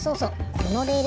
このレール